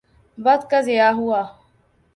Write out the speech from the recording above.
وقت کا ضیاع ہوا۔